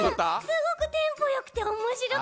すごくテンポよくておもしろかったち。